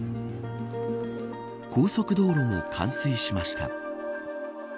高速道路も冠水しました。